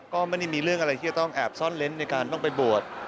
ก็ไม่ได้มีเรื่องอะไรที่จะต้องแอบซ่อนเล้นในการต้องไปบวช